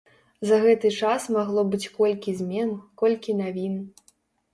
За гэты час магло быць колькі змен, колькі навін.